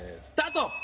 スタート。